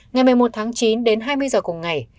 ngày một mươi một tháng chín đến hai mươi giờ cùng ngày